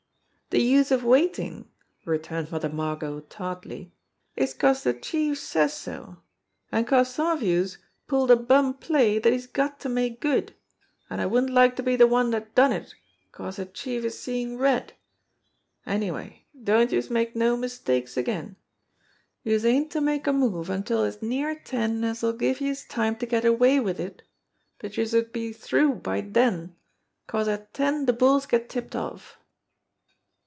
"De use of waitin'," returned Mother Margot tartly, "ia 'cause de Chief says so, an' 'cause some of youse pulled a bum play dat he's got to make good, an' I wouldn't like to be de one dat done it 'cause de Chief is seein' red. Anyway, don't youse make no mistakes again. Youse ain't to make a move until as near ten as'll give youse time to get away wid it, but youse're to be through by den, 'cause at ten de bulls get tipped off."